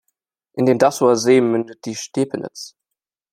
In den Dassower See mündet die Stepenitz.